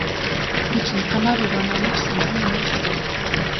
гэж Никанор Иванович сандран эмээж асуув.